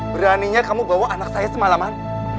beraninya kamu bawa anak saya semalaman